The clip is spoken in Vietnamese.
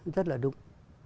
rất là đúng